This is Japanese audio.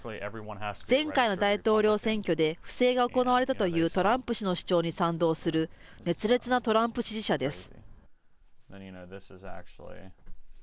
前回の大統領選挙で不正が行われたというトランプ氏の主張に賛同する、熱烈なトランプ支持者です。